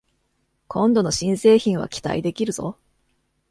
今度の新製品は期待できるぞ